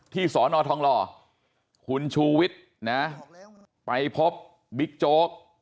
สอนอทองหล่อคุณชูวิทย์นะไปพบบิ๊กโจ๊ก